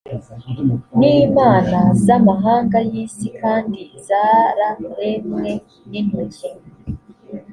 n imana z amahanga y isi kandi zararemwe n intoki